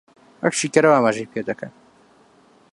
وەک شیکەرەوە ئاماژەی پێ دەکەن